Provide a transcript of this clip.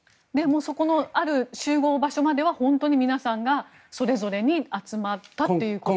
そこの集合場所までは本当に皆さんがそれぞれに集まったということ。